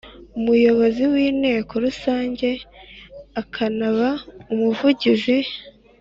Muyobozi w Inteko Rusange akanaba Umuvugizi